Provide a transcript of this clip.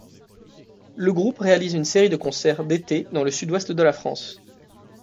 Le groupe réalise une série de concerts d’été dans le sud-ouest de la France.